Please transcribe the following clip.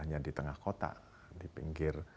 hanya di tengah kota di pinggir